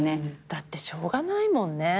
だってしょうがないもんね。